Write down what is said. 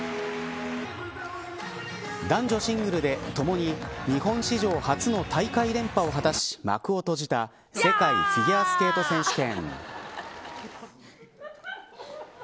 男女シングルで共に日本史上初の大会連覇を果たし、幕を閉じた世界フィギュアスケート選手権。